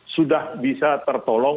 sudah bisa tertolong